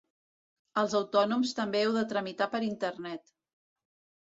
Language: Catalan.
Els autònoms també heu de tramitar per internet.